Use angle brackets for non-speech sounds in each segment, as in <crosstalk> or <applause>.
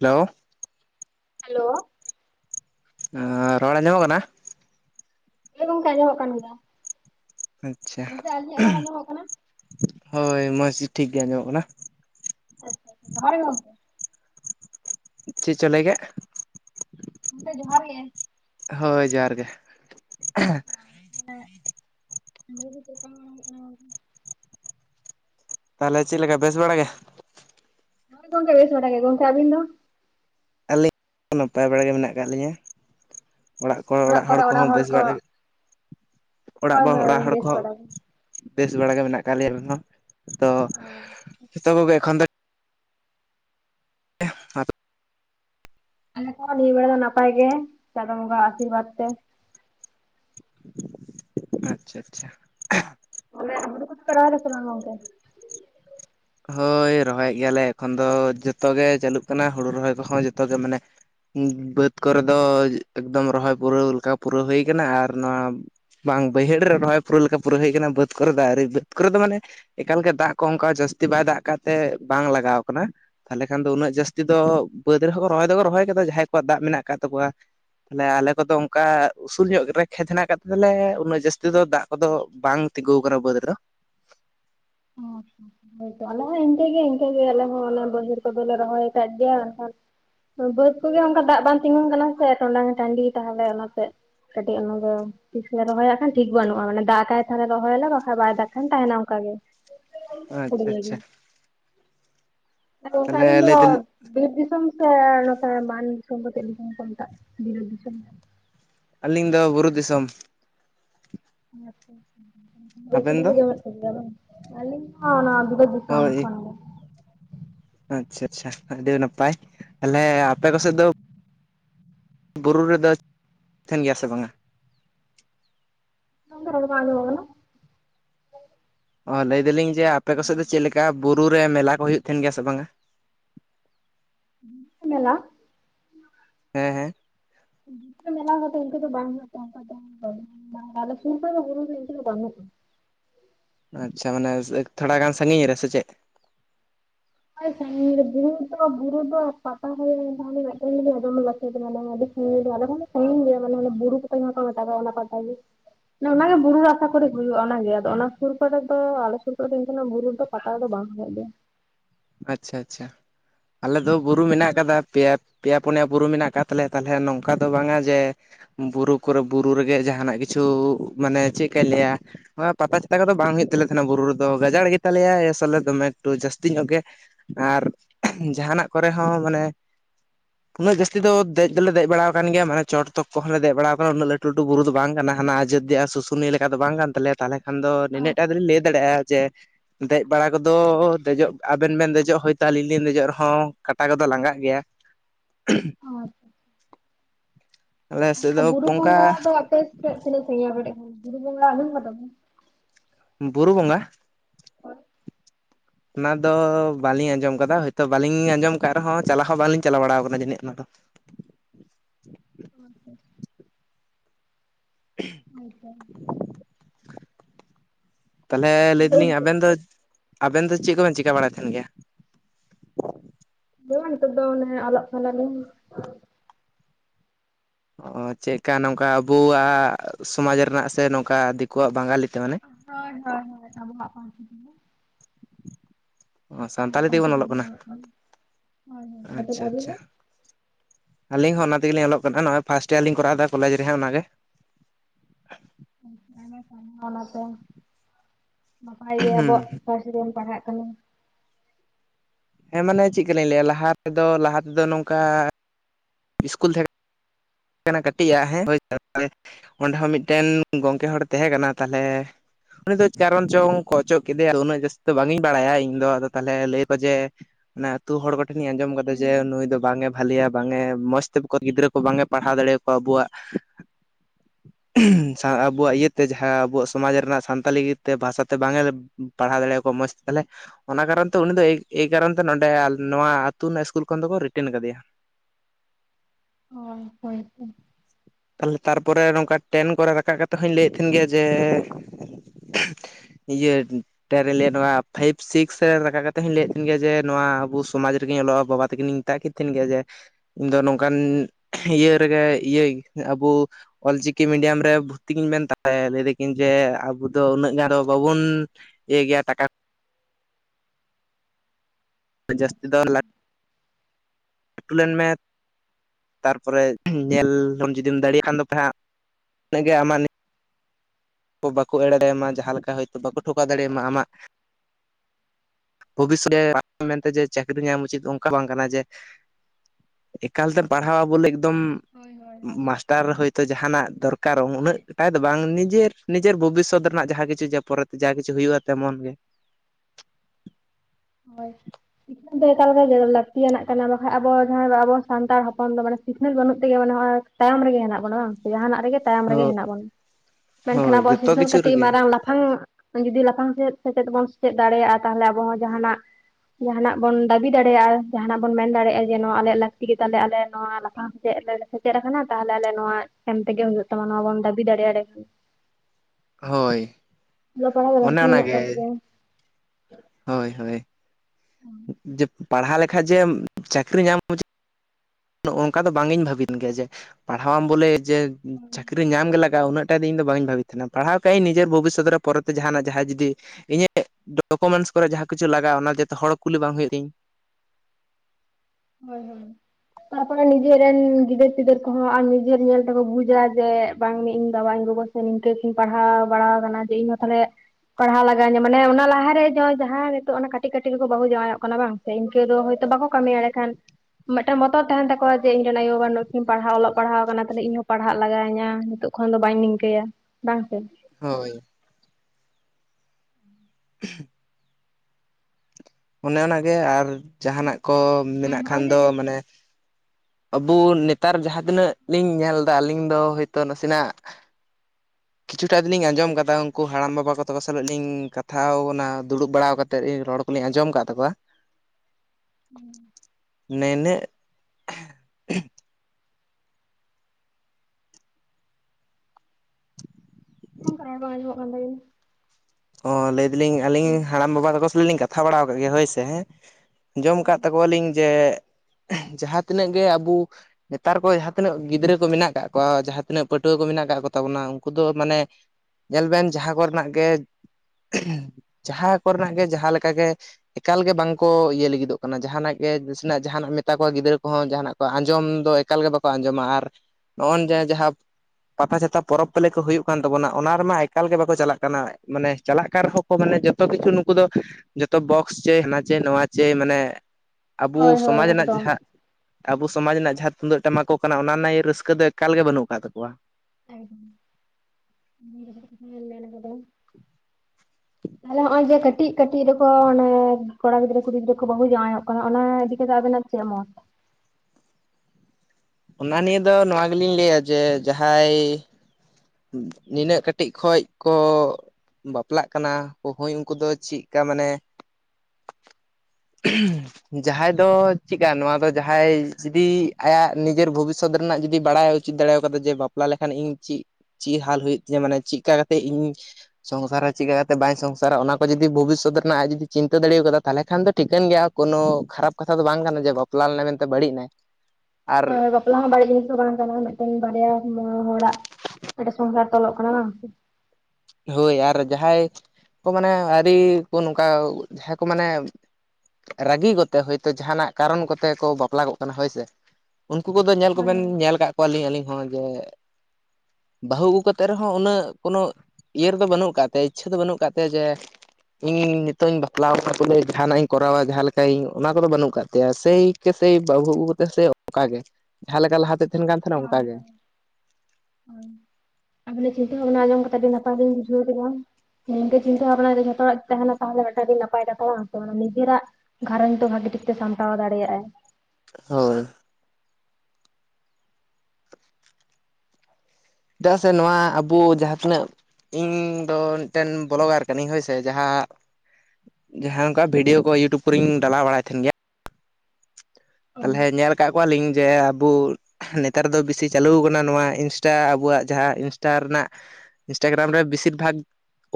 Hello. Hello. ᱟ ᱨᱚᱲ ᱟᱸᱡᱚᱢᱚᱜ ᱠᱟᱱᱟ? ᱦᱮᱸ ᱜᱚᱝᱠᱮ ᱟᱸᱡᱚᱢᱚᱜ ᱠᱟᱱ ᱜᱮᱭᱟ᱾ ᱟᱪᱪᱷᱟ ᱜᱚᱝᱠᱮ ᱟᱹᱞᱤᱧᱟᱜ ᱨᱚᱲ ᱩᱸᱦ ᱟᱸᱡᱚᱢᱚᱜ ᱠᱟᱱᱟ ᱦᱳᱭ ᱢᱚᱡᱽ ᱴᱷᱤᱠ ᱜᱮ ᱟᱸᱡᱚᱢᱚᱜ ᱠᱟᱱᱟ᱾ ᱟᱪᱪᱷᱟ <unintelligible> ᱪᱮᱫ ᱪᱚ ᱞᱟᱹᱭ ᱠᱮᱜ ᱜᱚᱝᱠᱮ ᱡᱚᱦᱟᱨ ᱜᱮ᱾ ᱦᱳᱭ ᱡᱚᱦᱟᱨ ᱜᱮ ᱮᱦᱮ ᱾ <inaudible> ᱛᱟᱦᱞᱮ ᱪᱮᱫ ᱞᱮᱠᱟ ᱵᱮᱥ ᱵᱟᱲᱟ ᱜᱮ? ᱦᱳᱭ ᱜᱚᱝᱠᱮ ᱵᱮᱥ ᱵᱟᱲᱟ ᱜᱮ᱾ ᱜᱚᱝᱠᱮ ᱟᱹᱵᱤᱱ ᱫᱚ? ᱟᱹᱞᱤᱧ ᱦᱚᱸ ᱱᱟᱯᱟᱭ ᱵᱟᱲᱟ ᱜᱮ ᱢᱮᱱᱟᱜ ᱠᱟᱫ ᱞᱤᱧᱟᱹ᱾ ᱚᱲᱟᱜ ᱠᱚ ᱚᱲᱟᱜ ᱦᱚᱲ ᱠᱚᱦᱚᱸ ᱵᱮᱥ ᱵᱟᱲᱟ, ᱚᱲᱟᱜ ᱦᱳᱭ ᱵᱟ ᱦᱳᱭ ᱚᱲᱟᱜ ᱦᱚᱲ ᱵᱮᱥ ᱠᱚᱦᱚᱸ ᱵᱟᱲᱟ ᱜᱮ ᱵᱮᱥ ᱵᱟᱲᱟ ᱜᱮ ᱢᱮᱱᱟᱜ ᱠᱟᱫ ᱞᱮᱭᱟ ᱟᱞᱮ ᱦᱚᱸ ᱛᱚ ᱟᱨ ᱡᱚᱛᱚ ᱠᱚᱜᱮ ᱮᱠᱷᱚᱱ ᱫᱚ <unintelligible> ᱟᱞᱮ ᱠᱚᱦᱚᱸ ᱱᱤᱭᱟᱹ ᱵᱮᱲᱟ ᱫᱚ ᱱᱟᱯᱟᱭ ᱜᱮ ᱪᱟᱸᱫᱚ ᱵᱚᱸᱜᱟᱣᱟᱜ ᱟᱥᱤᱨᱵᱟᱫᱽ ᱛᱮ᱾ ᱟᱪᱪᱷᱟ ᱟᱪᱪᱷᱟ᱾ ᱚᱱᱮ ᱦᱩᱲᱩ ᱠᱚᱫᱚ ᱯᱮ ᱨᱚᱦᱚᱭ ᱫᱟ ᱥᱮ ᱵᱟᱝ ᱜᱚᱝᱠᱮ? ᱦᱳᱭ ᱨᱚᱦᱚᱭᱮᱫ ᱜᱮᱭᱟᱞᱮ ᱮᱠᱷᱚᱱ ᱫᱚ ᱡᱚᱛᱚ ᱜᱮ ᱪᱟᱹᱞᱩᱜ ᱠᱟᱱᱟ ᱦᱩᱲᱩ ᱨᱚᱦᱚᱭ ᱠᱚᱦᱚᱸ ᱡᱚᱛᱚ ᱜᱮ ᱢᱟᱱᱮ ᱩᱸᱢ ᱵᱟᱹᱫᱽ ᱠᱚᱨᱮ ᱫᱚ ᱮᱠᱫᱚᱢ ᱨᱚᱦᱚᱭ ᱯᱩᱨᱟᱹᱣ ᱞᱮᱠᱟ ᱯᱩᱨᱟᱹᱣ ᱦᱩᱭ ᱠᱟᱱᱟ, ᱟᱨ ᱱᱚᱣᱟ ᱵᱟᱝ ᱵᱟᱹᱭᱦᱟᱹᱲ ᱨᱮ ᱨᱚᱦᱚᱭ ᱯᱩᱨᱟᱹᱣ ᱞᱮᱠᱟ ᱯᱩᱨᱟᱹᱣ ᱦᱮᱡ ᱠᱟᱱᱟ ᱵᱟᱹᱫᱽ ᱠᱚᱨᱮ ᱫᱚ ᱟᱣᱨᱤ, ᱵᱟᱹᱫᱽ ᱠᱚᱨᱮ ᱫᱚ ᱢᱟᱱᱮ ᱮᱠᱟᱞ ᱜᱮ ᱫᱟᱜ ᱠᱚ ᱚᱝᱠᱟ ᱡᱟᱹᱥᱛᱤ ᱵᱟᱭ ᱫᱟᱜ ᱠᱟᱜ ᱛᱮ ᱵᱟᱝ ᱞᱟᱜᱟᱣ ᱠᱟᱱᱟ᱾ ᱛᱟᱦᱚᱞᱮ ᱠᱷᱟᱱ ᱫᱚ ᱩᱱᱟᱹᱜ ᱡᱟᱹᱥᱛᱤ ᱫᱚ ᱵᱟᱹᱫᱽ ᱨᱮᱦᱚᱸ ᱠᱚ ᱨᱚᱦᱚᱭ ᱫᱚᱠᱚ ᱨᱚᱦᱚᱭ ᱠᱟᱫᱟ ᱡᱟᱦᱟᱸᱭ ᱠᱚᱣᱟᱜ ᱫᱟᱜ ᱢᱮᱱᱟᱜ ᱠᱟᱜ ᱛᱟᱠᱚᱣᱟ ᱾ ᱛᱟᱞᱦᱮ ᱟᱞᱮ ᱠᱚᱫᱚ ᱚᱝᱠᱟ ᱩᱥᱩᱞ ᱧᱚᱜ ᱨᱮ ᱠᱷᱮᱛ ᱦᱮᱱᱟᱜ ᱠᱟᱫᱛᱟᱞᱮ ᱩᱱᱟᱹᱜ ᱡᱟᱹᱥᱛᱤ ᱫᱚ ᱫᱟᱜ ᱟᱫᱚ ᱵᱟᱝ ᱛᱤᱸᱜᱩᱣ ᱠᱟᱱᱟ ᱵᱟᱹᱫᱽ ᱨᱮ ᱫᱚ᱾ <unintelligible> ᱦᱳᱭᱛᱚ ᱱᱚᱜ-ᱚᱭ ᱤᱝᱠᱟᱹᱜᱮ ᱤᱝᱠᱟᱹᱜᱮ ᱟᱞᱮ ᱦᱚᱸ ᱵᱟᱹᱭᱦᱟᱹᱲ ᱠᱚᱫᱚ ᱞᱮ ᱨᱚᱦᱚᱭ ᱠᱟᱫ ᱜᱮᱭᱟ, ᱮᱠᱷᱚᱱ ᱵᱟᱹᱫᱽ ᱠᱚᱜᱮ ᱚᱝᱠᱟ ᱫᱟᱜ ᱵᱟᱝ ᱛᱤᱸᱜᱩᱱ ᱠᱟᱱᱟ ᱥᱮ ᱴᱚᱰᱟᱝ ᱴᱟᱸᱰᱤ ᱛᱟᱦᱚᱞᱮ ᱚᱱᱟᱛᱮ ᱠᱟᱴᱤ ᱟᱱᱟ ᱫᱚ ᱛᱤᱥ ᱞᱮ ᱨᱚᱦᱚᱭᱟ ᱦᱟᱸᱜ ᱠᱷᱟᱱ ᱴᱷᱤᱠ ᱵᱟᱹᱱᱩᱜ-ᱟ ᱢᱟᱱᱮ ᱫᱟᱜᱟᱭ ᱛᱟᱦᱚᱞᱮ ᱨᱚᱦᱚᱭ ᱟᱞᱮ ᱵᱟᱠᱷᱟᱱ ᱵᱟᱭ ᱫᱟᱜ ᱠᱷᱟᱱ ᱛᱟᱦᱮᱱᱟ ᱚᱱᱠᱟ ᱜᱮ᱾ ᱟᱪᱪᱷᱟ ᱯᱩᱲᱭᱟᱹ ᱜᱮ ᱟᱪᱪᱷᱟ᱾ ᱟᱫᱚ ᱜᱚᱝᱠᱮ ᱛᱟᱦᱚᱞᱮ ᱟᱵᱤᱱ ᱫᱚ ᱞᱟᱹᱭ ᱫᱟᱞᱤᱧ ᱵᱤᱨ ᱫᱤᱥᱚᱢ ᱥᱮ ᱱᱚᱛᱮ ᱢᱟᱱ ᱫᱤᱥᱚᱢ ᱥᱮ ᱪᱮᱫ ᱫᱤᱥᱚᱢ ᱠᱚ ᱢᱮᱛᱟᱜ ᱵᱤᱞᱟᱹᱛ ᱫᱤᱥᱚᱢ? ᱟᱹᱞᱤᱧ ᱫᱚ ᱵᱩᱨᱩ ᱫᱤᱥᱚᱢ᱾ <unintelligible> ᱩᱸᱫ ᱟᱵᱮᱱ ᱠᱚᱫᱚ ᱫᱚ ᱯᱮ ᱡᱚᱢᱮᱫᱽ ᱠᱚᱜᱮᱭᱟ ᱵᱟᱝ ᱟᱸᱞᱤᱧ ᱦᱚᱸ ᱱᱚᱣᱟ ᱵᱮᱨᱩ ᱫᱤᱥᱚᱢ ᱦᱳᱭ ᱠᱷᱚᱱ ᱜᱮ᱾ ᱟᱪᱪᱷᱟ ᱟᱪᱪᱷᱟ ᱟᱹᱰᱤ ᱱᱟᱯᱟᱭ ᱛᱟᱦᱚᱞᱮ ᱟᱯᱮ ᱠᱚᱥᱮᱫ ᱫᱚ ᱵᱩᱨᱩ ᱨᱮᱫᱚ ᱛᱟᱦᱮᱱ ᱜᱮᱭᱟ ᱥᱮ ᱵᱟᱝᱟ? ᱵᱟᱝ ᱫᱚ ᱨᱚᱲᱵᱟᱝ ᱟᱡᱚᱢᱚᱜ ᱠᱟᱱᱟ ᱾ ᱚ ᱞᱟᱹᱭ ᱫᱟᱞᱤᱧ ᱡᱮ ᱟᱯᱮ ᱠᱚᱥᱮᱫ ᱫᱚ ᱪᱮᱫ ᱞᱮᱠᱟ ᱵᱩᱨᱩ ᱨᱮ ᱢᱮᱞᱟ ᱠᱚ ᱦᱩᱭᱩᱜ ᱛᱟᱦᱮᱱ ᱜᱮᱭᱟ ᱥᱮ ᱵᱟᱝ-ᱟ? <inaudible> ᱦᱮᱸ ᱦᱮᱸ᱾ <inaudible> ᱟᱪᱪᱷᱟ ᱢᱟᱱᱮ ᱛᱷᱚᱲᱟ ᱜᱟᱱ ᱥᱟᱜᱤᱧ ᱨᱮᱥᱮ ᱪᱮᱫ <inaudible> ᱦᱮᱸ ᱡᱮ ᱚᱱᱰᱮ ᱠᱷᱚᱱ ᱫᱚ ᱥᱟᱜᱤᱧ ᱜᱮᱭᱟ ᱢᱟᱱᱮ ᱵᱩᱲᱩ ᱯᱟᱛᱟ ᱡᱟᱦᱟᱸ ᱠᱚ ᱢᱮᱛᱟᱟᱜ ᱚᱱᱟ ᱯᱟᱛᱟ ᱜᱮ ᱾ ᱢᱟᱱᱮ ᱚᱱᱟᱜᱮ ᱵᱩᱨᱩ ᱨᱮ ᱟᱥᱟ ᱠᱚᱨᱤ ᱦᱩᱭᱩᱜ-ᱟ ᱚᱱᱟᱜᱮ ᱟᱫᱚ ᱚᱱᱟ ᱥᱩᱨ ᱠᱚᱨᱮ ᱫᱚ ᱟᱞᱮ ᱥᱩᱨ ᱠᱚᱨᱮ ᱫᱚ ᱚᱱᱠᱟᱱᱟᱜ ᱵᱩᱨᱩ ᱫᱚ ᱯᱟᱛᱟ ᱫᱚ ᱵᱟᱝ ᱦᱩᱭᱩᱜ ᱜᱮᱭᱟ᱾ ᱟᱪᱪᱷᱟ ᱟᱪᱪᱷᱟ᱾ ᱟᱞᱮ ᱫᱚ ᱵᱩᱨᱩ ᱟᱯᱮ ᱢᱮᱱᱟᱜ ᱥᱩᱨ ᱠᱟᱫᱟ ᱯᱮᱭᱟ ᱯᱮᱭᱟ ᱯᱩᱱᱭᱟ ᱵᱩᱨᱩ ᱢᱮᱱᱟᱜ ᱟᱠᱟᱫ ᱛᱟᱞᱮᱭᱟ ᱛᱟᱦᱚᱞᱮ ᱱᱚᱝᱠᱟ ᱫᱚ ᱵᱟᱝᱟ ᱡᱮ ᱵᱩᱨᱩ ᱠᱚᱨᱮ ᱵᱩᱨᱩ ᱨᱮᱜᱮ ᱡᱟᱦᱱᱟᱜ ᱠᱤᱪᱷᱩ ᱢᱟᱱᱮ ᱪᱮᱫᱠᱟᱧ ᱞᱟᱹᱭᱟ ᱦᱳᱭ ᱯᱟᱛᱟ ᱪᱷᱟᱛᱟ ᱠᱚᱫᱚ ᱵᱟᱝ ᱦᱩᱭᱩᱜ ᱛᱟᱞᱮ ᱛᱟᱦᱮᱱᱟ ᱵᱩᱨᱩ ᱨᱮᱫᱚ᱾ ᱜᱟᱡᱟᱲ ᱜᱮ ᱛᱟᱞᱮᱭᱟ ᱮᱥᱚᱞᱮ ᱫᱚᱢᱮ ᱮᱠᱴᱩ ᱡᱟᱹᱥᱛᱤ ᱧᱚᱜ ᱜᱮ ᱟᱨ ᱡᱟᱦᱟᱱᱟᱜ ᱠᱚᱨᱮ ᱦᱚᱸ ᱢᱟᱱᱮ <inaudible> ᱩᱱᱟᱹᱜ ᱡᱟᱹᱥᱛᱤ ᱫᱚ ᱫᱮᱡ ᱫᱚᱞᱮ ᱫᱮᱡ ᱵᱟᱲᱟᱣ ᱠᱟᱱ ᱜᱮᱭᱟ᱾ ᱢᱟᱱᱮ ᱪᱚᱴ ᱛᱚᱠ ᱠᱚᱦᱚᱸᱞᱮ ᱫᱮᱡ ᱵᱟᱲᱟᱣ ᱠᱟᱱᱟ᱾ ᱩᱱᱟᱹᱜ ᱞᱟ. ᱴᱩ ᱞᱟᱹᱴᱩ ᱵᱩᱨᱩ ᱫᱚ ᱵᱟᱝ ᱠᱟᱱᱟ᱾ ᱦᱟᱱᱟ ᱟᱡᱟᱫᱤᱭᱟ. ᱥᱩᱥ ᱥᱩᱱᱤᱭᱟᱹ ᱞᱮᱠᱟ ᱫᱚ ᱵᱟᱝ ᱠᱟᱱ ᱛᱟᱞᱮᱭᱟ ᱛᱟᱦᱚᱞᱮ ᱠᱷᱟᱱ ᱫᱚ ᱱᱤᱱᱟᱜ ᱴᱟᱜ ᱫᱚᱞᱤᱧ ᱞᱟᱹᱭ ᱫᱟᱲᱮᱭᱟᱜ-ᱟ ᱡᱮ ᱫᱮᱡ ᱵᱟᱲᱟ ᱠᱚᱫᱚ ᱫᱮᱡᱚᱜ ᱟᱵᱮᱱ ᱵᱮᱱ ᱫᱮᱡᱚᱜ, ᱦᱚᱳᱭᱛᱳ ᱟᱹᱞᱤᱧ ᱞᱤᱧ ᱫᱮᱡᱚᱜ ᱨᱮᱦᱚᱸ ᱠᱟᱴᱟ ᱠᱚᱫᱚ ᱞᱟᱸᱜᱟᱜ ᱜᱮᱭᱟ᱾ <inaudible> ᱟᱞᱮ ᱥᱮᱫ ᱚᱱᱟ ᱫᱚ ᱵᱩᱨᱩ ᱚᱱᱠᱟ ᱵᱚᱸᱜᱟ ᱫᱚ ᱟᱯᱮ ᱥᱮᱫ ᱛᱤᱱᱟᱹᱜ ᱥᱟᱺᱜᱧᱟ ᱠᱟᱴᱤᱡ <unintelligible> ᱵᱩᱨᱩ ᱵᱚᱸᱜᱟ ᱟᱡᱚᱢ ᱠᱟᱫᱟᱵᱤᱱ? ᱵᱩᱨᱩ ᱵᱚᱸᱜᱟ? <inaudible> ᱚᱱᱟ ᱫᱚ ᱵᱟᱹᱞᱤᱧ ᱟᱸᱡᱚᱢ ᱠᱟᱫᱟ᱾ ᱦᱚᱳᱭᱛᱳ ᱵᱟᱹᱞᱤᱧ ᱟᱸᱡᱚᱢ ᱠᱟᱫ ᱨᱮᱦᱚᱸ ᱪᱟᱞᱟᱣ ᱦᱚᱸ ᱵᱟᱹᱞᱤᱧ ᱪᱟᱞᱟᱣ ᱵᱟᱲᱟᱣ ᱟᱠᱟᱱᱟ ᱡᱟᱹᱱᱤᱡ ᱚᱱᱟ ᱫᱚ᱾ <inaudible> <inaudible> <inaudible> ᱛᱟᱦᱚᱞᱮ ᱞᱟᱹᱭ ᱫᱟᱞᱤᱧ ᱟᱵᱮᱱ ᱫᱚ ᱟᱵᱮᱱ ᱫᱚ ᱪᱮᱫ ᱠᱚᱵᱮᱱ ᱪᱤᱠᱟᱹ ᱵᱟᱲᱟᱭ ᱛᱟᱦᱮᱱ ᱜᱮᱭᱟ? ᱪᱤᱠᱟᱹ ᱦᱚᱸ ᱵᱟᱝ, ᱱᱤᱛᱚᱜ ᱫᱚ ᱢᱟᱱᱮ ᱚᱞᱚᱜ ᱠᱟᱱᱟᱞᱤᱧ᱾ ᱚ ᱪᱮᱫᱠᱟ ᱱᱚᱝᱠᱟ ᱟᱵᱳᱣᱟᱜ ᱥᱚᱢᱟᱡᱽ ᱨᱮᱱᱟᱜ ᱥᱮ ᱱᱚᱝᱠᱟ ᱫᱤᱠᱩᱣᱟᱜ ᱵᱟᱝᱜᱟᱞᱤ ᱛᱮ ᱢᱟᱱᱮ? ᱦᱳᱭ ᱦᱳᱭ ᱦᱳᱭ ᱟᱵᱣᱟᱜ ᱯᱟᱹᱨᱥᱤ ᱛᱮᱜᱮ᱾ ᱚ ᱟᱵᱚᱣᱟᱜ ᱥᱟᱱᱛᱟᱞᱤ ᱛᱮᱜᱮ ᱯᱟᱹᱨᱥᱤ ᱵᱚᱱ ᱛᱮᱜᱮᱞᱤᱧ ᱚᱞᱚᱜ ᱠᱟᱱᱟ᱾ ᱦᱳᱭ ᱦᱳᱭ‌ ᱟᱵᱤᱱ ᱟᱪᱪᱷᱟ ᱟᱵᱤᱱ ᱟᱪᱪᱷᱟ ᱫᱚ? ᱟᱹᱞᱤᱧ ᱦᱚᱸ ᱚᱱᱟ ᱛᱮᱜᱮᱞᱤᱧ ᱚᱞᱚᱜ ᱠᱟᱱᱟ, ᱱᱚᱜ-ᱚᱭ ᱯᱷᱟᱥᱴ ᱤᱭᱟᱨ ᱞᱤᱧ ᱠᱚᱨᱟᱣᱫᱟ ᱠᱚᱞᱮᱡ ᱨᱮ ᱦᱟᱸᱜ ᱚᱱᱟᱜᱮ᱾ <unintelligible> ᱚᱱᱟᱛᱮ, ᱱᱟᱯᱟᱭ ᱜᱮ ᱟᱵᱚᱣᱟᱜ ᱚᱠᱟ ᱥᱮᱫ ᱨᱮᱢ ᱯᱟᱲᱦᱟᱜ ᱠᱟᱱᱟ? ᱦᱮᱸ ᱢᱟᱱᱮ ᱪᱮᱫᱠᱟ ᱞᱤᱧ ᱞᱟᱹᱭᱟ ᱞᱟᱦᱟ ᱛᱮᱫᱚ ᱞᱟᱦᱟ ᱛᱮᱫᱚ ᱱᱚᱝᱠᱟ ᱤᱥᱠᱩᱞ ᱛᱟᱦᱮᱸ ᱠᱟᱹᱴᱤᱡᱟᱜ ᱦᱮᱸ ᱦᱳᱭ <unintelligible> ᱚᱸᱰᱮ ᱦᱚᱸ ᱢᱤᱫᱴᱮᱱ ᱜᱚᱝᱠᱮ ᱦᱚᱲᱮ ᱛᱟᱦᱮᱸ ᱠᱟᱱᱟ᱾ ᱛᱟᱞᱦᱮ ᱩᱱᱤ ᱫᱚᱪ ᱠᱟᱨᱚᱱ ᱪᱚᱝ ᱠᱚ ᱚᱪᱚᱜ ᱠᱮᱫᱮᱭᱟ᱾ ᱟᱫᱚ ᱩᱱᱟᱹᱜ ᱡᱟᱹᱥᱛᱤ ᱫᱚ ᱵᱟᱝᱤᱧ ᱵᱟᱲᱟᱭᱟ ᱤᱧ ᱫᱚ ᱟᱫᱚ ᱛᱟᱦᱚᱞᱮ ᱞᱟᱹᱭᱟᱠᱚ ᱡᱮ ᱢᱟᱱᱮ ᱟᱛᱩ ᱦᱚᱲ ᱠᱚᱴᱷᱮᱱᱤᱧ ᱟᱸᱡᱚᱢ ᱠᱟᱫᱟ ᱡᱮ ᱱᱩᱭ ᱫᱚ ᱵᱟᱝᱮ ᱵᱷᱷᱟᱞᱮᱭᱟ, ᱵᱟᱝᱮ ᱢᱚᱸᱡᱽ ᱛᱮ ᱵᱟᱠᱚ ᱜᱤᱫᱽᱨᱟᱹ ᱠᱚ ᱵᱟᱝᱮ ᱯᱟᱲᱦᱟᱣᱟᱠᱚᱣᱟ ᱟᱵᱚᱣᱟᱜ ᱥᱟ ᱟᱵᱚᱣᱟᱜ ᱤᱭᱟᱹᱛᱮ ᱡᱟᱦᱟᱸ ᱟᱵᱚᱣᱟᱜ ᱥᱚᱢᱟᱡᱽ ᱨᱮᱱᱟᱜ ᱥᱟᱱᱛᱟᱞᱤ ᱛᱮ ᱵᱷᱟᱥᱟᱛᱮ ᱵᱟᱝᱮ ᱯᱟᱲᱦᱟᱣ ᱫᱟᱲᱮᱭᱟᱜ ᱠᱚ ᱢᱚᱥ ᱛᱮ ᱛᱟᱞᱦᱮ ᱚᱱᱟ ᱠᱟᱨᱚᱱ ᱛᱮ ᱩᱱᱤ ᱫᱚ ᱮ ᱮᱭ ᱠᱟᱨᱚᱱ ᱛᱮ ᱱᱚᱰᱮ ᱟᱞᱮ ᱱᱚᱣᱟ ᱟᱹᱛᱩ ᱨᱮᱱᱟᱜ ᱤᱥᱠᱩᱞ ᱠᱷᱚᱱ ᱫᱚᱠᱚ ᱨᱤᱴᱮᱱ ᱠᱟᱫᱮᱭᱟ᱾ ᱚ ᱦᱚᱭ ᱦᱚᱭ᱾ ᱛᱟᱦᱞᱮ ᱛᱟᱨᱯᱚᱨᱮ ᱱᱚᱝᱠᱟ ᱴᱮᱱ ᱠᱚᱨᱮ ᱨᱟᱠᱟᱵ ᱠᱟᱛᱮ ᱦᱚᱧ ᱞᱟᱹᱭᱮᱫ ᱛᱟᱦᱮᱱ ᱜᱮᱭᱟ ᱡᱮ ᱤᱭᱟᱹ ᱴᱮᱱ ᱨᱮ ᱞᱟᱹᱭᱟ ᱱᱚᱣᱟ ᱯᱷᱟᱭᱤᱵ ᱥᱤᱠᱥ ᱨᱮ ᱨᱟᱠᱟᱵ ᱠᱟᱛᱮᱦᱚᱧ ᱞᱟᱹᱭᱮᱫ ᱛᱟᱦᱮᱱ ᱜᱮᱭᱟ ᱡᱮ ᱱᱚᱣᱟ ᱟᱵᱚ ᱥᱚᱢᱟᱡᱽ ᱨᱮᱜᱤᱱᱧ ᱚᱞᱚᱜ-ᱟ᱾ ᱵᱟᱵᱟ ᱛᱟᱠᱤᱱ ᱢᱮᱛᱟᱜ ᱠᱤᱱ ᱛᱟᱦᱮᱱ ᱜᱮᱭᱟ ᱡᱮ ᱤᱧ ᱫᱚ ᱱᱚᱝᱠᱟᱱ ᱤᱭᱟᱹ ᱨᱮᱜᱮ, ᱤᱭᱟᱹ ᱟᱵᱚ ᱚᱞ ᱪᱤᱠᱤ ᱢᱤᱰᱤᱭᱟᱢ ᱨᱮ ᱵᱷᱩᱛ ᱛᱤ ᱠᱟᱹᱧ ᱰᱮᱱ ᱛᱟᱦᱞᱮ ᱞᱟᱹᱭ ᱫᱟᱠᱤᱱ ᱡᱮ ᱟᱵᱚ ᱫᱚ ᱩᱱᱟᱹᱜ ᱜᱟᱱ ᱫᱚ ᱵᱟᱵᱚᱱ ᱤᱭᱟᱹ ᱜᱮᱭᱟ᱾ ᱴᱟᱠᱟ ᱡᱟᱹᱥᱛᱤ ᱟᱪᱪᱷᱟ ᱫᱚ ᱟᱪᱪᱷᱟ ᱞᱟᱴ ᱞᱟᱴᱩ ᱞᱮᱱ ᱢᱮ᱾ ᱛᱟᱨᱯᱚᱨᱮ ᱧᱮᱞ ᱞᱟᱵᱚᱱ ᱡᱩᱫᱤᱢ ᱫᱟᱲᱮᱭᱟᱜ ᱠᱷᱟᱱ ᱫᱚᱯᱮ ᱦᱟᱸᱜ ᱩᱱᱟᱹᱜ ᱜᱮ ᱟᱢᱟᱜ᱾ ᱠᱚ ᱵᱟᱠᱚ ᱮᱲᱮ ᱫᱟᱲᱮᱭᱟᱢᱟ ᱡᱟᱦᱟᱸ ᱞᱮᱠᱟ ᱦᱳᱭᱛᱳ ᱵᱟᱠᱚ ᱴᱷᱚᱠᱟ ᱫᱟᱲᱮᱭᱟᱢᱟ ᱟᱢᱟᱜ᱾ ᱵᱷᱚᱵᱤᱥᱚᱛ ᱨᱮ ᱢᱮᱱᱛᱮ ᱡᱮ ᱪᱟᱹᱠᱨᱤ ᱧᱟᱢ ᱩᱪᱤᱛ ᱚᱱᱠᱟ ᱵᱟᱝ ᱠᱟᱱᱟ ᱡᱮ᱾ ᱮᱠᱟᱞ ᱛᱮᱢ ᱯᱟᱲᱦᱟᱣᱟ ᱵᱚᱞᱮ ᱮᱠᱫᱚᱢ᱾ ᱦᱳᱭ ᱦᱳᱭ ᱢᱟᱥᱴᱟᱨ ᱦᱳᱭᱛᱳ ᱡᱟᱦᱟᱱᱟᱜ ᱫᱚᱨᱠᱟᱨᱚᱜ ᱦᱳᱭ ᱩᱱᱟᱹᱜᱴᱟ ᱫᱚ ᱵᱟᱝ ᱱᱤᱡᱮᱨᱼᱼ ᱱᱤᱡᱮᱨ ᱵᱷᱚᱵᱤᱥᱥᱚᱛ ᱨᱮᱱᱟᱜ ᱡᱟᱦᱟᱸ ᱠᱤᱪᱷᱩ ᱡᱮ ᱯᱚᱨᱮᱛᱮ ᱡᱟ ᱠᱤᱪᱷᱩ ᱦᱩᱭᱩᱜᱼᱟ ᱛᱮᱢᱚᱱ ᱜᱮ᱾ <unintelligible> ᱥᱤᱠᱷᱱᱟᱹᱛ ᱫᱚ ᱮᱠᱟᱞ ᱜᱮ ᱞᱟᱹᱠᱛᱤᱭᱟᱱᱟᱜ ᱠᱟᱱᱟ ᱵᱟᱠᱷᱟᱱ ᱟᱵᱚ ᱡᱟᱦᱟᱸ ᱟᱵᱚ ᱥᱟᱱᱛᱟᱲ ᱦᱚᱯᱚᱱ ᱫᱚ ᱢᱟᱱᱮ ᱥᱤᱠᱷᱱᱟᱹᱛ ᱵᱟᱹᱱᱩᱜ ᱛᱮᱜᱮ ᱢᱟᱱᱮ᱾ ᱛᱟᱭᱚᱢ ᱨᱮᱜᱮ ᱦᱮᱱᱟᱜ ᱵᱚᱱᱟ ᱵᱟᱝ ᱥᱮ ᱡᱟᱦᱟᱱᱟᱜ ᱨᱮᱜᱮ ᱛᱟᱭᱚᱢ ᱨᱮᱜᱮ ᱦᱮᱱᱟᱜ ᱵᱚᱱᱟ ᱢᱮᱱᱠᱷᱟᱱ ᱦᱳᱭ ᱟᱵᱚᱣᱟᱜ ᱡᱚᱛᱚ ᱥᱤᱠᱷᱱᱟᱹᱛ ᱠᱤᱪᱷᱩ ᱠᱟᱹᱴᱤᱡ ᱨᱮᱜᱮ ᱢᱟᱨᱟᱝ ᱞᱟᱼᱼ ᱦᱟᱜ ᱡᱩᱫᱤ ᱞᱟᱯᱷᱟᱝ ᱥᱮᱫ ᱥᱮᱪᱮᱫ ᱵᱚᱱ ᱥᱮᱪᱮᱫ ᱫᱟᱲᱮᱭᱟᱜᱼᱟ ᱛᱟᱦᱚᱞᱮ ᱟᱵᱚ ᱦᱚᱸ ᱡᱟᱦᱟᱱᱟᱜ᱾ ᱡᱟᱦᱱᱟᱜ ᱵᱚᱱ ᱫᱟᱹᱵᱤ ᱫᱟᱲᱮᱭᱟᱜᱼᱟ ᱡᱟᱦᱟᱱᱟᱜ ᱵᱚᱱ ᱢᱮᱱ ᱫᱟᱲᱮᱭᱟᱜᱼᱟ ᱡᱮ ᱱᱚᱣᱟ ᱟᱞᱮᱭᱟᱜ ᱞᱟᱹᱠᱛᱤ ᱜᱮ ᱛᱟᱞᱮ ᱟᱞᱮ ᱱᱚᱣᱟ ᱞᱟᱯᱷᱟᱝ ᱥᱮᱫ ᱞᱮ ᱥᱮᱪᱮᱫ᱾ ᱥᱮᱴᱮᱨ ᱟᱠᱟᱱᱟ ᱛᱟᱦᱚᱞᱮ ᱟᱞᱮ ᱱᱚᱣᱟ ᱮᱢ ᱛᱮᱜᱮ ᱦᱩᱭᱩᱜ ᱛᱟᱢᱟ ᱱᱚᱣᱟ ᱵᱚᱱ ᱫᱟᱹᱵᱤ ᱫᱟᱲᱮᱭᱟ-ᱟ᱾ ᱦᱳᱭ᱾ ᱚᱞᱚᱜ ᱯᱟᱲᱦᱟᱜ ᱫᱚ ᱚᱱᱮ ᱞᱟᱹᱠᱛᱤ ᱢᱮᱱᱟᱜ ᱟᱠᱟᱫ ᱚᱱᱟᱜᱮ ᱜᱮᱭᱟ᱾ ᱦᱳᱭ ᱦᱳᱭ᱾ <unintelligible> ᱡᱮ ᱯᱟᱲᱦᱟᱣ ᱞᱮᱠᱟᱡ ᱡᱮ ᱪᱟᱹᱠᱨᱤ ᱧᱟᱢ ᱩᱪᱼᱼ ᱱᱚᱝᱠᱟ ᱫᱚ ᱵᱟᱝᱤᱧ ᱵᱷᱟᱹᱵᱮᱱ ᱜᱮᱭᱟ ᱡᱮ ᱯᱟᱲᱦᱟᱣᱟᱢ ᱵᱚᱞᱮ ᱡᱮ ᱪᱟᱹᱠᱨᱤᱼᱼ ᱧᱟᱢ ᱜᱮ ᱞᱟᱜᱟᱼᱟ ᱩᱹᱱᱟᱜᱴᱟ ᱤᱧ ᱵᱟᱹᱧ ᱵᱷᱟᱵᱤ ᱛᱟᱦᱮᱱᱟ ᱯᱟᱲᱟᱣᱟᱜᱼᱟ ᱱᱤᱡᱮᱨ ᱵᱷᱚᱵᱤᱥᱥᱚᱛ ᱨᱮ ᱯᱚᱨᱮᱛᱮ ᱡᱟᱦᱟᱱᱟᱜ ᱡᱟᱦᱟᱸ ᱡᱩᱫᱤ ᱤᱧᱟᱹᱜ ᱰᱚᱠᱩᱢᱮᱱᱴᱥ ᱠᱚᱨᱮ ᱡᱟᱦᱟᱸ ᱠᱤᱪᱷᱩ ᱞᱟᱜᱟᱜᱼᱟ ᱚᱱᱟ ᱡᱟᱛᱮ ᱦᱚᱲ ᱠᱩᱞᱤ ᱵᱟᱝ ᱦᱩᱭᱩᱜ ᱛᱤᱧ᱾ ᱦᱳᱭ ᱦᱳᱭ᱾ ᱛᱟᱨᱟᱯᱚᱨᱮ ᱱᱤᱡᱮᱨᱱ ᱜᱤᱫᱟᱹᱨ ᱯᱤᱫᱟᱹᱨ ᱠᱚᱦᱚᱸ ᱟᱨ ᱱᱤᱡᱮᱨ ᱧᱮᱞ ᱛᱮᱠᱚ ᱵᱩᱡᱟ ᱡᱮ ᱵᱟᱝ ᱤᱧ ᱵᱟᱵᱟᱧ ᱜᱚᱜᱚ᱾ ᱱᱚᱝᱠᱟ ᱠᱤᱱ ᱯᱟᱲᱦᱟᱣ ᱵᱟᱲᱟ ᱟᱠᱟᱱᱟ ᱡᱮ ᱤᱧᱦᱚ ᱛᱟᱦᱞᱮ᱾ ᱯᱟᱲᱦᱟᱣ ᱞᱟᱜᱟᱣᱤᱧᱟᱹ ᱢᱟᱱᱮ ᱚᱱᱟ ᱞᱟᱦᱟᱨᱮ ᱡᱟᱦᱟᱸ ᱱᱤᱛᱚᱜ ᱚᱱᱟ ᱠᱟᱹᱴᱤᱡ ᱠᱟᱹᱴᱤᱡ ᱨᱮᱠᱚ ᱵᱟᱹᱦᱩ ᱡᱟᱶᱟᱭᱚᱜ ᱠᱟᱱᱟ ᱵᱟᱝ? ᱤᱱᱠᱟᱹ ᱫᱚ ᱦᱳᱭᱛᱳ ᱵᱟᱠᱚ ᱠᱟᱹᱢᱤ ᱮᱲᱮ ᱠᱷᱟᱱ᱾ ᱢᱤᱫᱴᱟᱝ ᱢᱚᱛᱚᱨ ᱛᱟᱦᱮᱱ ᱛᱟᱠᱚᱣᱟ ᱡᱮ ᱤᱧ ᱨᱮᱱ ᱟᱭᱳ ᱵᱟᱵᱟ ᱱᱩᱱᱟᱹᱜ ᱠᱤᱱ ᱯᱟᱲᱦᱟᱣ ᱚᱞᱚᱜ ᱯᱟᱲᱦᱟᱣ ᱟᱠᱟᱱᱟ ᱛᱚᱞᱮ ᱤᱧ ᱦᱚᱸ ᱯᱟᱲᱦᱟᱜ ᱞᱟᱜᱟᱣᱤᱧᱟᱹ ᱱᱤᱛᱚᱜ᱾ ᱛᱚᱠᱷᱚᱱ ᱫᱚ ᱵᱟᱭ ᱱᱤᱝᱠᱟᱹᱭᱟ ᱵᱟᱝ ᱥᱮ᱾ ᱦᱳᱭ᱾ <unintelligible> ᱚᱱᱮ ᱚᱱᱟᱜᱮ ᱟᱨ ᱡᱟᱦᱟᱱᱟᱜ ᱠᱚ ᱢᱮᱱᱟᱜ ᱠᱷᱟᱱ ᱫᱚ ᱢᱟᱱᱮ᱾ ᱟᱵᱚ ᱱᱮᱛᱟᱨ ᱡᱟᱦᱟᱸ ᱛᱤᱱᱟᱹᱜ ᱞᱤᱧ ᱧᱮᱞ ᱮᱫᱟ ᱟᱹᱞᱤᱧ ᱫᱚ ᱦᱚᱳᱭᱛᱳ ᱱᱟᱥᱮᱱᱟᱜ᱾ ᱠᱤᱪᱷᱩᱴᱟ ᱫᱤᱱᱤᱧ ᱟᱸᱡᱚᱢ ᱠᱟᱫᱟ ᱩᱱᱠᱩ ᱦᱟᱲᱟᱢ ᱵᱟᱵᱟ ᱠᱚ ᱛᱟᱠᱚ ᱥᱟᱞᱟᱜ ᱞᱤᱧ ᱠᱟᱛᱷᱟᱣ ᱠᱟᱱᱟ ᱫᱩᱲᱩᱵ ᱵᱟᱲᱟ ᱠᱟᱛᱮᱫ ᱞᱤᱧ ᱨᱚᱲ ᱠᱚᱱᱞᱤᱧ ᱟᱸᱡᱚᱢ ᱟᱠᱟᱫ ᱛᱟᱠᱚᱣᱟ᱾ ᱦᱩᱸ ᱱᱮᱱᱮ᱾ ᱜᱚᱢᱠᱮ ᱨᱚᱲ ᱵᱟᱝ ᱟᱡᱚᱸᱢᱚᱜ ᱠᱟᱱ ᱛᱟᱵᱤᱱᱟ᱾ ᱚ ᱞᱟᱹᱭ ᱫᱟᱞᱤᱧ ᱟᱹᱞᱤᱧ ᱦᱟᱲᱟᱢ ᱵᱟᱵᱟ ᱛᱟᱠᱚ ᱥᱟᱞᱟᱜ ᱞᱤᱧ ᱠᱟᱛᱷᱟ ᱵᱟᱲᱟᱣ ᱠᱟᱫ ᱜᱮᱭᱟ ᱦᱳᱭ ᱥᱮ ᱦᱮᱸ᱾ ᱟᱸᱡᱚᱢ ᱟᱠᱟᱫ ᱛᱟᱠᱚᱣᱟᱞᱤᱧ ᱡᱮ ᱡᱟᱦᱟᱸ ᱛᱤᱱᱟᱹᱜ ᱜᱮ ᱟᱵᱚ ᱱᱮᱛᱟᱨ ᱠᱚ ᱡᱟᱦᱟᱸ ᱛᱤᱱᱟᱹᱜ ᱜᱤᱫᱽᱨᱟᱹ ᱠᱚ ᱢᱮᱱᱟᱜ ᱠᱟᱜ ᱠᱚᱣᱟ ᱡᱟᱦᱟᱸ ᱛᱤᱱᱟᱹᱜ ᱯᱟᱹᱴᱷᱩᱣᱟᱹ ᱠᱚ ᱢᱮᱱᱟᱜ ᱟᱠᱟᱜ ᱠᱚᱛᱟᱵᱚᱱᱟ ᱩᱱᱠᱩ ᱫᱚ ᱢᱟᱱᱮ᱾ ᱧᱮᱞ ᱵᱮᱱ ᱡᱟᱦᱟᱸ ᱠᱚᱨᱮᱱᱟᱜ ᱜᱮ᱾ ᱡᱟᱦᱟᱸ ᱠᱚᱨᱮᱱᱟᱜ ᱜᱮ ᱡᱟᱦᱟᱸ ᱞᱮᱠᱟ ᱜᱮ᱾ ᱮᱠᱟᱞ ᱜᱮ ᱵᱟᱝᱠᱚ ᱤᱭᱟᱹ ᱞᱟᱹᱜᱤᱫᱚᱜ ᱠᱟᱱᱟ ᱡᱟᱦᱟᱱᱟᱜ ᱜᱮ ᱱᱟᱥᱮᱱᱟᱜ ᱡᱟᱦᱟᱱᱟᱜ ᱢᱮᱛᱟ ᱠᱚᱣᱟ ᱜᱤᱫᱽᱨᱟᱹ ᱠᱚᱦᱚᱸ ᱡᱟᱦᱟᱱᱟᱜ᱾ ᱟᱸᱡᱚᱢ ᱫᱚ ᱮᱠᱟᱞ ᱜᱮ ᱵᱟᱠᱚ ᱟᱸᱡᱚᱢᱟ ᱟᱨ ᱱᱚᱜᱼᱚᱭ ᱡᱮ ᱡᱟᱦᱟᱸ᱾ ᱯᱟᱛᱟᱼᱪᱷᱟᱛᱟ ᱯᱚᱨᱚᱵᱽ ᱯᱟᱹᱞᱮ ᱠᱚ ᱦᱩᱭᱩᱜ ᱠᱟᱱ ᱛᱟᱵᱚᱱᱟ ᱚᱱᱟ ᱨᱮᱢᱟ ᱮᱠᱟᱞ ᱜᱮ ᱵᱟᱠᱚ ᱪᱟᱞᱟᱜ ᱠᱟᱱᱟ᱾ ᱢᱟᱱᱮ ᱪᱟᱞᱟᱜ ᱠᱟᱱ ᱨᱮᱦᱚᱸ ᱠᱚ ᱢᱟᱱᱮ ᱡᱚᱛᱚ ᱠᱤᱪᱷᱩ ᱱᱩᱠᱩ ᱫᱚ ᱡᱚᱛᱚ ᱵᱚᱠᱥ ᱪᱮ ᱦᱟᱱᱟ ᱪᱮ ᱱᱚᱣᱟ ᱪᱮ ᱢᱟᱱᱮ ᱟᱵᱚ ᱦᱳᱭ ᱦᱳᱭ ᱥᱚᱢᱟᱡᱽ ᱨᱮᱱᱟᱜ ᱮᱠᱫᱚᱢ ᱡᱟᱦᱟᱸ ᱟᱵᱚ ᱥᱚᱢᱟᱡᱽ ᱨᱮᱱᱟᱜ ᱡᱟᱦᱟᱸ ᱛᱩᱢᱫᱟᱜ ᱴᱟᱢᱟᱠ ᱠᱟᱱᱟ ᱚᱱᱟ ᱨᱮᱱᱟᱜ ᱤᱭᱟᱹ ᱨᱟᱹᱥᱠᱟᱹ ᱫᱚ ᱮᱠᱟᱞ ᱜᱮ ᱵᱟᱹᱱᱩᱜ ᱟᱠᱟᱫ ᱛᱟᱠᱚᱣᱟ ᱾ ᱠᱚᱫᱚ <unintelligible> ᱢᱟᱱᱮ ᱦᱚᱸᱜᱼᱚᱭ ᱡᱮᱹ ᱠᱟᱹᱴᱤᱡ ᱠᱟᱹᱴᱤᱡ ᱨᱮᱠᱚ ᱚᱱᱮ ᱠᱚᱲᱟ ᱜᱤᱫᱽᱨᱟᱹ ᱠᱩᱲᱤ ᱜᱤᱫᱽᱨᱟᱹ ᱠᱚ ᱵᱟᱦᱩ ᱡᱟᱶᱟᱭᱚᱜ ᱠᱟᱱᱟ ᱚᱱᱟ ᱤᱫᱤ ᱠᱟᱛᱮᱫ ᱟᱵᱮᱱᱟᱜ ᱪᱮᱫ ᱢᱚᱛ? ᱚᱱᱟ ᱱᱤᱭᱮ ᱫᱚ ᱱᱚᱣᱟ ᱜᱮᱞᱤᱧ ᱞᱟᱹᱭᱟ ᱡᱮ ᱡᱟᱦᱟᱸᱭ ᱱᱤᱱᱟᱹᱜ ᱠᱟᱹᱴᱤᱡ ᱠᱷᱚᱡ ᱠᱚ ᱵᱟᱯᱞᱟᱜ ᱠᱟᱱᱟ ᱦᱳᱭ ᱩᱱᱠᱩ ᱫᱚ ᱪᱮᱫᱠᱟ ᱢᱟᱱᱮ <unintelligible> ᱦᱮᱸ ᱾ ᱡᱟᱦᱟᱸᱭ ᱫᱚ ᱪᱮᱫᱠᱟ ᱱᱚᱣᱟ ᱫᱚ ᱡᱟᱦᱟᱸᱭ ᱡᱩᱫᱤ ᱟᱭᱟᱜ ᱱᱤᱡᱮᱨ ᱵᱷᱚᱵᱤᱥᱚᱛ ᱨᱮᱱᱟᱜ ᱡᱩᱫᱤ ᱵᱟᱲᱟᱭ ᱪᱮᱫ ᱫᱟᱲᱮ ᱠᱟᱫᱟ ᱡᱮ ᱵᱟᱯᱞᱟ ᱞᱮᱠᱷᱟᱱ ᱤᱧ ᱪᱮᱫ ᱪᱮᱫ ᱦᱟᱞ ᱦᱩᱭᱩᱜ ᱛᱤᱧᱟᱹ ᱢᱟᱱᱮ ᱪᱮᱫᱠᱟ ᱠᱟᱛᱮᱜ ᱤᱧ ᱥᱚᱝᱥᱟᱨᱟ ᱪᱤᱠᱟᱹ ᱠᱟᱛᱮ ᱵᱟᱭ ᱥᱚᱝᱥᱟᱨᱟ ᱚᱱᱟ ᱠᱚ ᱡᱩᱫᱤ ᱵᱷᱚᱵᱤᱥᱥᱚᱛ ᱨᱮᱱᱟᱜ ᱟᱡ ᱡᱩᱫᱤ ᱪᱤᱱᱛᱟᱹ ᱫᱟᱲᱮᱣ ᱠᱟᱫᱟ ᱛᱟᱦᱚᱞᱮ ᱠᱷᱟᱱ ᱫᱚ ᱴᱷᱤᱠᱟᱹᱱ ᱜᱮᱭᱟ ᱠᱳᱱᱳ ᱠᱷᱟᱨᱟᱯ ᱠᱟᱛᱷᱟ ᱫᱚ ᱵᱟᱝ ᱠᱟᱱᱟ ᱡᱮ ᱵᱟᱯᱞᱟ ᱞᱮᱱᱟᱭ ᱢᱮᱱᱛᱮ ᱵᱟᱹᱲᱤᱡ ᱮᱱᱟᱭ ᱾ ᱦ ᱵᱟ <inaudible> ᱚᱱᱟ ᱦᱚᱸ ᱵᱟᱹᱲᱤᱡ ᱡᱤᱱᱤᱥ ᱦᱚᱸ ᱵᱟᱝ ᱠᱟᱱᱟ ᱢᱤᱫᱴᱮᱱ ᱵᱟᱨᱭᱟ ᱦᱚᱲᱟᱜ ᱢᱤᱫᱴᱮᱱ ᱥᱚᱝᱥᱟᱨ ᱛᱚᱞᱚᱜ ᱠᱟᱱᱟ ᱵᱟᱝ ᱥᱮ ᱾ ᱦᱳᱭ ᱟᱨ ᱡᱟᱦᱟᱸᱭ ᱠᱚ ᱢᱟᱱᱮ ᱟᱹᱨᱤ ᱠᱚ ᱱᱚᱝᱠᱟ ᱡᱟᱦᱟᱸᱭ ᱠᱚ ᱢᱟᱱᱮ ᱨᱟᱹᱜᱤ ᱠᱚᱛᱮ ᱦᱳᱭᱛᱳ ᱡᱟᱦᱟᱱᱟᱜ ᱠᱟᱨᱚᱱ ᱠᱚᱛᱮ ᱠᱚ ᱵᱟᱯᱞᱟᱜᱚᱜ ᱠᱟᱱᱟ ᱦᱳᱭ ᱥᱮ ᱩᱱᱠᱩ ᱠᱚᱫᱚ ᱧᱮᱞ ᱦᱳᱭ ᱠᱚᱵᱮᱱ ᱧᱮᱞ ᱟᱠᱟᱫ ᱠᱚᱣᱟᱞᱤᱧ ᱟᱹᱞᱤᱧ ᱦᱚᱸ ᱡᱮ ᱵᱟᱹᱦᱩ ᱟᱹᱜᱩ ᱠᱟᱛᱮᱫ ᱨᱮᱦᱚᱸ ᱩᱱᱟᱹᱜ ᱠᱳᱱᱳ ᱤᱭᱟᱹᱨ ᱫᱚ ᱵᱟᱹᱱᱩᱜ ᱟᱠᱟᱫ ᱛᱟᱭᱟ ᱤᱪᱪᱷᱟᱹ ᱫᱚ ᱵᱟᱹᱱᱩᱜ ᱠᱟᱫ ᱛᱟᱭᱟ ᱡᱮ ᱤᱧ ᱱᱤᱛᱚᱜ ᱤᱧ ᱵᱟᱯᱞᱟᱣ ᱠᱟᱱᱟ ᱵᱚᱞᱮ ᱡᱟᱦᱟᱱᱟᱜ ᱤᱧ ᱠᱚᱨᱟᱣᱟ ᱡᱟᱦᱟᱸ ᱞᱮᱠᱟᱧ ᱚᱱᱟ ᱠᱚᱫᱚ ᱵᱟᱹᱱᱩᱜ ᱟᱠᱟᱫ ᱛᱟᱭᱟ ᱥᱮᱭ ᱾ ᱥᱮᱭ ᱵᱟᱹᱦᱩ ᱠᱚ ᱟᱹᱜᱩ ᱠᱟᱛᱮ ᱥᱮᱹᱭ ᱚᱱᱠᱟ ᱜᱮ ᱡᱟᱦᱟᱸ ᱞᱮᱠᱟ ᱞᱟᱦᱟᱛᱮ ᱛᱟᱦᱮᱱ ᱠᱟᱱ ᱛᱟᱦᱮᱱᱟ ᱚᱱᱠᱟ ᱜᱮ ᱟᱹᱵᱤᱱ ᱟᱜ ᱪᱤᱱᱛᱟᱹ ᱵᱷᱟᱵᱱᱟ ᱟᱸᱡᱚᱢ ᱠᱟᱛᱮ ᱟᱹᱰᱤ ᱱᱟᱯᱟᱭ ᱞᱤᱧ ᱵᱩᱡᱷᱟᱹᱣ ᱠᱮᱫᱟ ᱾ ᱱᱤᱝᱠᱟᱹ ᱪᱤᱱᱛᱟᱹ ᱵᱷᱟᱵᱽᱱᱟ ᱨᱮ ᱡᱚᱛᱚᱦᱚᱲᱟᱜ ᱜᱮ ᱛᱟᱦᱮᱱᱟ ᱛᱟᱦᱚᱞᱮ ᱢᱤᱫ ᱴᱟᱝ ᱟᱹᱰᱤ ᱱᱟᱯᱟᱭ ᱠᱟᱛᱷᱟ ᱵᱟᱝ, ᱱᱤᱡᱮᱨᱟᱜ ᱜᱷᱟᱸᱨᱚᱡᱽ ᱫᱚ ᱵᱷᱟᱹᱜᱤ ᱴᱷᱤᱠ ᱛᱮ ᱥᱟᱢᱴᱟᱣ ᱫᱟᱲᱮᱭᱟᱜᱼᱟᱭ ᱦᱳᱭ ᱾ ᱪᱮᱫᱟᱜ ᱥᱮ ᱱᱚᱣᱟ ᱟᱵᱚ ᱡᱟᱦᱟᱸ ᱛᱤᱱᱟᱹᱜ ᱤᱧ ᱫᱚ ᱢᱤᱫᱴᱮᱱ ᱵᱷᱞᱚᱜᱟᱨ ᱠᱟᱹᱱᱟᱹᱧ ᱦᱳᱭ ᱥᱮ ᱡᱟᱦᱟᱸ ᱡᱟᱦᱟᱸ ᱚᱱᱠᱟ ᱵᱷᱤᱰᱭᱳ ᱠᱚ ᱤᱭᱩᱴᱩᱵ ᱠᱚᱨᱤᱧ ᱰᱟᱞᱟᱣ ᱵᱟᱲᱟᱭ ᱛᱟᱦᱮᱱ ᱜᱮᱭᱟ ᱛᱟᱦᱚᱞᱮ ᱧᱮᱞ ᱟᱠᱟᱫ ᱠᱚᱣᱟᱞᱤᱧ ᱡᱮ ᱟᱵᱚ ᱱᱮᱛᱟᱨ ᱫᱚ ᱵᱮᱥᱤ ᱪᱟᱹᱞᱩᱣ ᱠᱟᱱᱟ ᱱᱚᱣᱟ ᱤᱱᱥᱴᱟ ᱟᱵᱚᱣᱟᱜ ᱡᱟᱦᱟᱸ ᱤᱱᱥᱴᱟ ᱨᱮᱱᱟᱜ ᱤᱱᱥᱴᱟᱜᱨᱟᱢ ᱨᱮ ᱵᱮᱥᱤᱨ ᱵᱷᱟᱜᱽ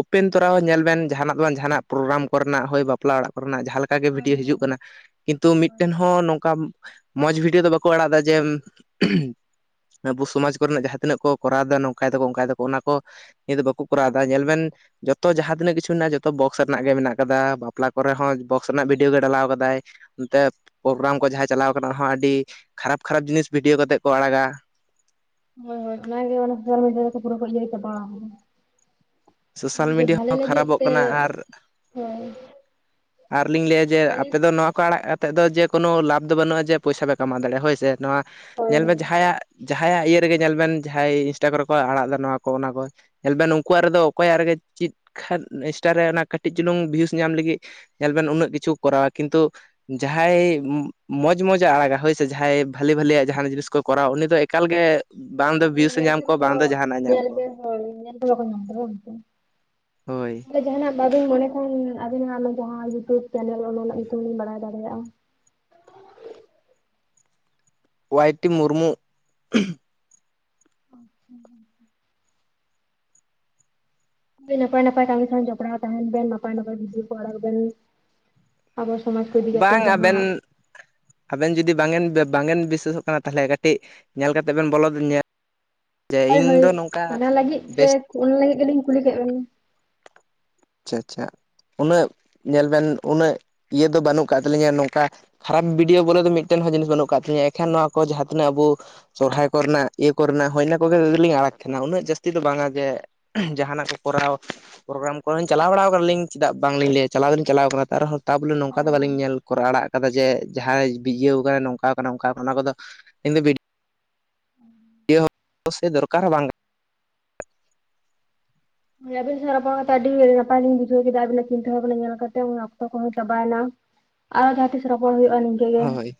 ᱳᱯᱮᱱ ᱛᱚᱨᱟ ᱦᱚᱸ ᱧᱮᱞ ᱵᱮᱱ ᱡᱟᱦᱟᱱᱟᱜ ᱫᱚ ᱵᱟᱝ ᱡᱟᱦᱟᱱᱟᱜ ᱯᱨᱳᱜᱨᱟᱢ ᱠᱚᱨᱮᱱᱟᱜ ᱵᱟᱯᱞᱟ ᱚᱲᱟᱜ ᱠᱚᱨᱮᱱᱟᱜ ᱡᱟᱦᱟᱸ ᱞᱮᱠᱟ ᱚᱱᱠᱟ ᱜᱮ ᱵᱷᱤᱰᱤᱭᱳ ᱦᱤᱡᱩᱜ ᱠᱟᱱᱟ ᱾ ᱠᱤᱱᱛᱩ ᱢᱤᱫᱴᱮᱱ ᱦᱚᱸ ᱱᱚᱝᱠᱟ ᱚᱱᱠᱟ ᱢᱚᱡᱽ ᱵᱷᱤᱰᱭᱳ ᱫᱚ ᱵᱟᱠᱚ ᱟᱲᱟᱜ ᱫᱟ ᱡᱮ ᱟᱵᱚ ᱥᱚᱢᱟᱡᱽ ᱠᱚᱨᱮᱱᱟᱜ ᱡᱟᱦᱟᱸ ᱛᱤᱱᱟᱹᱜ ᱠᱚ ᱠᱚᱨᱟᱣᱮᱫᱟ ᱱᱚᱝᱠᱟᱭ ᱫᱟᱠᱚ ᱚᱱᱠᱟᱭ ᱫᱟᱠᱚ ᱚᱱᱟ ᱠᱚ ᱱᱤᱭᱟᱹ ᱫᱚ ᱵᱟᱠᱚ ᱠᱚᱨᱟᱣ ᱮᱫᱟ ᱧᱮᱞ ᱵᱮᱱ ᱡᱚᱛᱚ ᱡᱟᱦᱟᱸ ᱛᱤᱱᱟᱹᱜ ᱠᱤᱪᱷᱩ ᱢᱮᱱᱟᱜᱼᱟ ᱡᱚᱛᱚ ᱵᱚᱠᱥ ᱨᱮᱱᱟᱜ ᱜᱮ ᱢᱮᱱᱟᱜ ᱠᱟᱫᱟ ᱵᱟᱯᱞᱟ ᱠᱚᱨᱮ ᱦᱚᱸ ᱵᱚᱠᱥ ᱨᱮᱱᱟᱜ ᱵᱷᱤᱰᱭᱳ ᱜᱮ ᱰᱟᱞᱟᱣ ᱠᱟᱫᱟᱭ ᱾ ᱱᱚᱱᱛᱮ ᱯᱨᱳᱜᱨᱟᱢ ᱠᱚ ᱡᱟᱦᱟᱸᱭ ᱪᱟᱞᱟᱣ ᱠᱟᱱᱟ ᱚᱱᱟᱦᱚᱸ ᱟᱹᱰᱤ ᱠᱷᱟᱨᱟᱯ ᱠᱷᱟᱨᱟᱯ ᱡᱤᱱᱤᱥ ᱵᱷᱤᱰᱭᱳ ᱠᱟᱛᱮᱜ ᱠᱚ ᱟᱲᱟᱜᱟ ᱾ ᱦᱳᱭ ᱦᱳᱭ ᱚᱱᱟᱜᱮ ᱚᱱᱟ ᱥᱚᱥᱟᱞ ᱢᱤᱰᱤᱭᱟ ᱫᱚᱠᱚ ᱯᱩᱨᱟᱹ ᱤᱭᱟᱹ ᱪᱟᱵᱟᱣ ᱠᱟᱫᱟ ᱾ ᱥᱳᱥᱟᱞ ᱡᱮᱹ ᱢᱤᱰᱤᱭᱟ ᱵᱷᱟᱞᱮᱹ ᱦᱚᱸ ᱞᱟᱹᱜᱤᱫ ᱠᱷᱟᱨᱟᱯᱚᱜ ᱛᱮ ᱠᱟᱱᱟ ᱟᱨ ᱦᱮᱸ ᱾ ᱟᱨᱞᱤᱧ ᱞᱟᱹᱭᱟ ᱡᱮ ᱟᱯᱮ ᱫᱚ ᱱᱚᱣᱟ ᱠᱚ ᱟᱲᱟᱜ ᱮᱫ ᱫᱚ ᱡᱮᱹ ᱠᱳᱱᱳ ᱞᱟᱵᱷ ᱫᱚ ᱵᱟᱹᱱᱩᱜᱼᱟ ᱡᱮᱹ ᱯᱚᱭᱥᱟ ᱯᱮ ᱠᱟᱢᱟᱣ ᱫᱟᱲᱮᱭᱟᱜᱼᱟ ᱦᱳᱭ ᱥᱮ ᱱᱚᱣᱟ ᱦᱳᱭ ᱧᱮᱞ ᱢᱮ ᱡᱟᱦᱟᱸᱭᱟᱜ ᱡᱟᱦᱟᱸᱭᱟᱜ ᱤᱭᱟᱹ ᱨᱮᱜᱮ ᱧᱮᱞ ᱵᱮᱱ ᱡᱟᱦᱟᱸᱭ ᱤᱱᱥᱴᱟ ᱠᱚᱨᱮ ᱠᱚ ᱟᱲᱟᱜ ᱮᱫᱟ ᱱᱚᱣᱟ ᱠᱚ ᱚᱱᱟ ᱠᱚ ᱧᱮᱞᱵᱤᱱ ᱱᱩᱠᱩᱣᱟᱜ ᱨᱮᱫᱚ ᱚᱠᱚᱭᱟᱜ ᱨᱮᱜᱮ ᱪᱮᱫ ᱠᱷᱟᱱ ᱤᱱᱥᱴᱟ ᱨᱮ ᱚᱱᱟ ᱠᱟᱹᱴᱤᱡ ᱪᱩᱞᱩᱝ ᱵᱷᱤᱭᱩᱥ ᱧᱟᱢ ᱞᱟᱹᱜᱤᱫ ᱧᱮᱞ ᱵᱮᱱ ᱩᱱᱟᱹᱜ ᱠᱤᱪᱷᱩ ᱠᱚᱨᱟᱣᱟ ᱠᱤᱱᱛᱩ ᱡᱟᱦᱟᱸᱭ ᱢᱚᱸᱡᱽ ᱢᱚᱸᱡᱽ ᱟᱲᱟᱜᱟ ᱦᱳᱭᱥᱮ ᱡᱟᱦᱟᱸᱭ ᱵᱷᱟᱞᱮ ᱵᱷᱟᱞᱮᱟᱜ ᱡᱟᱦᱟᱱ ᱡᱤᱱᱤᱥ ᱠᱚ ᱠᱚᱨᱟᱣᱟ ᱩᱱᱤ ᱫᱚ ᱮᱠᱟᱞ ᱜᱮ ᱵᱟᱝ ᱫᱚ ᱵᱷᱤᱭᱩᱥ ᱮ ᱧᱮᱞ ᱧᱟᱢ ᱛᱮᱫᱚ ᱠᱚᱣᱟ ᱵᱟᱝ ᱫᱚ ᱡᱟᱦᱟᱱᱟᱜ ᱮ ᱧᱟᱢ ᱧᱮᱞ ᱠᱚᱣᱟ᱾ ᱵᱮᱱ ᱦᱳᱭ <unintelligible> ᱦᱳᱭ᱾ ᱚᱸᱰᱮ ᱡᱟᱦᱟᱱᱟᱜ ᱵᱟᱹᱵᱤᱱ ᱢᱚᱱᱮ ᱠᱷᱟᱱ ᱟᱹᱵᱤᱱᱟᱜ ᱚᱱᱟ ᱡᱟᱦᱟᱸ ᱤᱭᱩᱴᱩᱵᱽ ᱪᱮᱱᱮᱞ ᱚᱱᱟ ᱨᱮᱱᱟᱜ ᱧᱩᱛᱩᱢ ᱞᱤᱧ ᱵᱟᱲᱟᱭ ᱫᱟᱲᱮᱭᱟᱜᱼᱟ᱾ ᱚᱣᱟᱭᱴᱤ ᱢᱩᱨᱢᱩ᱾ ᱟᱪᱪᱷᱟ᱾ ᱟᱰᱤ ᱱᱟᱯᱟᱭ ᱱᱟᱯᱟᱭ ᱠᱟᱹᱢᱤ ᱥᱟᱶ ᱡᱚᱯᱲᱟᱣ ᱛᱟᱦᱮᱱ ᱵᱮᱱ ᱱᱟᱯᱟᱭ ᱱᱟᱯᱟᱭ ᱵᱷᱤᱰᱤᱭᱳ ᱠᱚ ᱟᱲᱟᱜ ᱵᱮᱱ ᱟᱵᱚ ᱥᱚᱢᱟᱡ ᱠᱚ ᱤᱫᱤ ᱠᱟᱛᱮᱜ ᱵᱟᱝ ᱡᱟᱦᱟᱸ ᱟᱵᱮᱱ ᱟᱵᱮᱱ ᱡᱩᱫᱤ ᱵᱟᱝ ᱵᱟᱝᱵᱮᱱ ᱵᱤᱥᱚᱥᱚᱜ ᱠᱟᱱᱟ ᱛᱟᱦᱚᱞᱮ ᱠᱟᱹᱴᱤᱡ ᱧᱮᱞ ᱠᱟᱛᱮᱫ ᱵᱮᱱ ᱵᱚᱞᱚ ᱡᱮ ᱦᱳᱭ ᱤᱧ ᱫᱚ ᱦᱳᱭ ᱱᱚᱝᱠᱟ ᱚᱱᱟ ᱞᱟᱹᱜᱤᱫ ᱛᱮ ᱵᱮᱥ ᱚᱱᱟ ᱞᱟᱹᱜᱤᱫ ᱜᱮᱞᱤᱧ ᱠᱩᱞᱤ ᱠᱮᱫ ᱵᱮᱱᱟ᱾ ᱟᱪᱪᱷᱟ ᱟᱪᱪᱷᱟ ᱩᱱᱟᱹᱜ ᱧᱮᱞ ᱵᱮᱱ ᱩᱱᱟᱹᱜ ᱤᱭᱟᱹ ᱫᱚ ᱵᱟᱹᱱᱩᱜ ᱟᱠᱟᱫ ᱛᱟᱹᱞᱤᱧᱟ ᱱᱚᱝᱠᱟ ᱠᱷᱟᱨᱟᱯ ᱵᱷᱤᱰᱭᱳ ᱵᱚᱞᱮ ᱫᱚ ᱢᱤᱫᱴᱮᱱ ᱦᱚᱸ ᱡᱤᱱᱤᱥ ᱵᱟᱹᱱᱩᱜ ᱟᱠᱟᱫ ᱛᱤᱧᱟᱹ ᱮᱱᱠᱷᱟᱱ ᱱᱚᱣᱟ ᱠᱚ ᱡᱟᱦᱟᱸ ᱛᱤᱱᱟᱹᱜ ᱟᱵᱚ ᱥᱚᱨᱦᱟᱭ ᱠᱚᱨᱮᱱᱟᱜ ᱤᱭᱟᱹ ᱠᱚᱨᱮᱱᱟᱜ ᱦᱳᱡᱱᱟ ᱤᱱᱟᱹ ᱠᱚᱜᱮ ᱜᱮᱞᱤᱧ ᱟᱲᱟᱜ ᱛᱟᱦᱮᱱᱟ ᱩᱱᱟᱹᱜ ᱡᱟᱹᱥᱛᱤ ᱫᱚ ᱵᱟᱝᱟ ᱡᱮ ᱡᱟᱦᱟᱱᱟᱜ ᱠᱚ ᱠᱚᱨᱟᱣ ᱯᱨᱳᱜᱨᱟᱢ ᱚᱱ ᱪᱟᱞᱟᱣ ᱵᱟᱲᱟ ᱟᱠᱟᱱᱟ ᱠᱟᱱᱟᱞᱤᱧ ᱪᱮᱫᱟᱜ ᱵᱟᱝᱞᱤᱧ ᱞᱟᱹᱭᱟ ᱪᱟᱞᱟᱣ ᱫᱚᱞᱤᱧ ᱪᱟᱞᱟᱣ ᱟᱠᱟᱱᱟ ᱛᱟᱨᱮᱦᱚᱸ ᱛᱟᱵᱚᱞᱮ ᱱᱚᱝᱠᱟ ᱦᱳᱭ ᱫᱚ ᱦᱳᱭ ᱵᱟᱞᱤᱧ ᱧᱮᱞ ᱠᱚᱨᱟᱣ ᱟᱲᱟᱜ ᱡᱮ ᱡᱟᱦᱟᱸᱭ ᱵᱤᱡᱤᱭᱟᱹᱣ ᱟᱠᱟᱱᱟ ᱱᱚᱝᱠᱟ ᱟᱠᱟᱱᱟ ᱚᱝᱠᱟ ᱟᱠᱟᱱᱟ ᱚᱱᱟ ᱠᱚᱫᱚ ᱤᱧ ᱫᱚ <unintelligible> ᱥᱮ ᱫᱚᱨᱠᱟᱨ ᱦᱚᱸ ᱵᱟᱝ ᱠᱟᱱᱟ ᱟᱹᱵᱤᱱ ᱥᱟᱳ ᱚᱯᱚᱲᱚᱱ ᱠᱟᱛᱮ ᱟᱹᱰᱤ ᱱᱟᱯᱟᱭᱞᱤᱧ ᱵᱩᱡᱷᱟᱹᱣ ᱠᱮᱫᱟ ᱟᱵᱤᱱᱟᱜ ᱪᱤᱱᱛᱟᱹ ᱵᱷᱟᱵᱱᱟ ᱧᱮᱞ ᱠᱟᱛᱮ ᱚᱠᱛᱚ ᱠᱚᱦᱚᱸ ᱪᱟᱵᱟᱭᱱᱟ ᱾ ᱟᱨᱚ ᱡᱟᱦᱟᱸ ᱛᱤᱥ ᱨᱚᱯᱚᱲ ᱦᱩᱭᱩᱜᱼᱟ᱾ ᱦᱳᱭ᱾